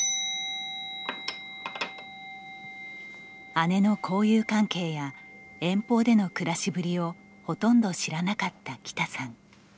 姉の交友関係や遠方での暮らしぶりをほとんど知らなかった喜多さん。